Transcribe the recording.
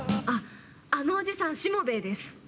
あっあのおじさんしもべえです。